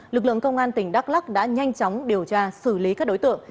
lực lượng công an tỉnh đắk lắc đã nhanh chóng điều tra xử lý các đối tượng